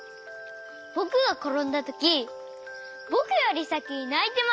ぼくがころんだときぼくよりさきにないてました。